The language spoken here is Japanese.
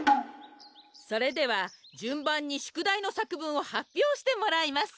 それではじゅんばんにしゅくだいのさくぶんをはっぴょうしてもらいます。